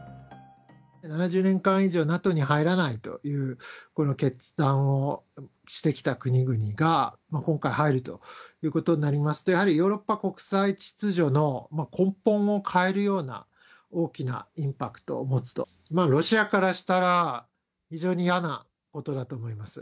７０年間以上、ＮＡＴＯに入らないというこの決断をしてきた国々が今回、入るということになりますと、やはりヨーロッパ国際秩序の根本を変えるような大きなインパクトを持つと、ロシアからしたら、非常にやなことだと思います。